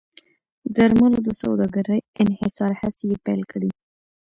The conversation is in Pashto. درملو د سوداګرۍ انحصار هڅې یې پیل کړې.